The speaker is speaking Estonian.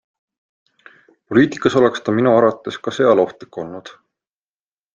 Poliitikas oleks ta minu arvates ka seal ohtlik olnud.